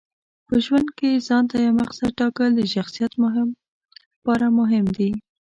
په ژوند کې ځانته یو مقصد ټاکل د شخصیت لپاره مهم دي.